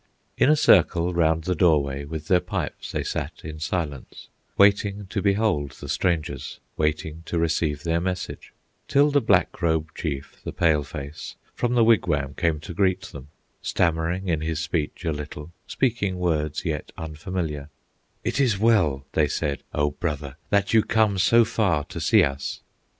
In a circle round the doorway, With their pipes they sat in silence, Waiting to behold the strangers, Waiting to receive their message; Till the Black Robe chief, the Pale face, From the wigwam came to greet them, Stammering in his speech a little, Speaking words yet unfamiliar; "It is well," they said, "O brother, That you come so far to see us!"